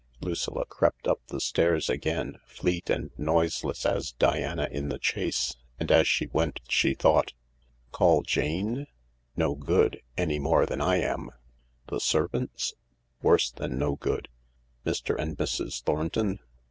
Lucilla crept up the stairs again, fleet and noiseless as Diana in the chase, and as she went she thought. ff Call Jane ? No good, any more than I am. The ser vants ? Worse than no good. Mr, and Mrs. Thornton ?